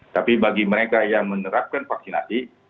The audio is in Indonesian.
tapi bagi mereka yang menerapkan vaksinasi